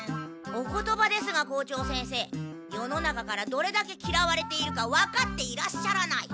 お言葉ですが校長先生世の中からどれだけきらわれているかわかっていらっしゃらない。